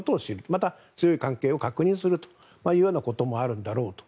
またそういう関係を確認するということもあるんだろうと。